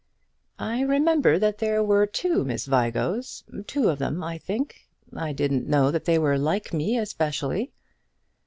"I remember that there were Miss Vigos; two of them, I think. I didn't know that they were like me especially."